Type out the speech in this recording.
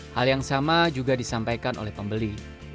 hal yang sama juga disampaikan oleh pembeli